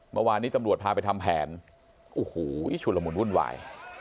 เมื่อวานนี้ตำรวจพาไปทำแผนโอ้โหชุดละมุนวุ่นวาย